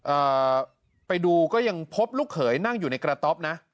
เอ่อไปดูก็ยังพบลูกเขยนั่งอยู่ในกระต๊อบนะ